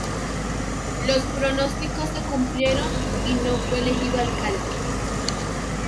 Los pronósticos se cumplieron y no fue elegido alcalde.